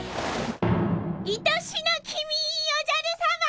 いとしの君おじゃるさま！